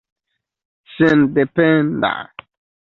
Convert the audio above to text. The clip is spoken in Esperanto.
sendependa